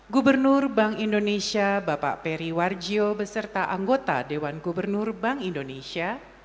gubernur bank indonesia bapak peri warjio beserta anggota dewan gubernur bank indonesia